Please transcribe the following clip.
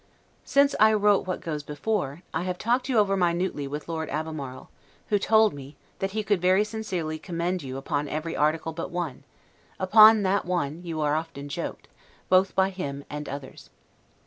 Since I wrote what goes before, I have talked you over minutely with Lord Albemarle, who told me, that he could very sincerely commend you upon every article but one; but upon that one you were often joked, both by him and others.